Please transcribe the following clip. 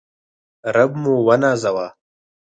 رب موونازوه